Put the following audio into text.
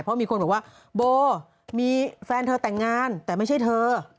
เพราะมีคนบอกว่าโบมีแฟนเธอแต่งงานแต่ไม่ใช่เธอ